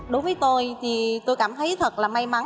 đối với tôi thì tôi cảm thấy thật là may mắn